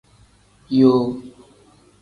Yoo.